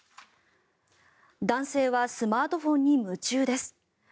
男性はスマートフォンに夢中です。